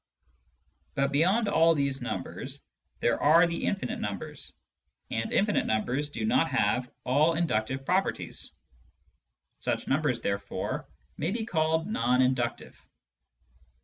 But beyond all these numbers, there are the infinite numbers, and infinite numbers do not have all inductive properties. Such numbers, therefore, may be called non inductive.